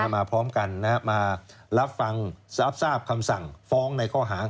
มาพร้อมกันมารับฟังรับทราบคำสั่งฟ้องในข้อหา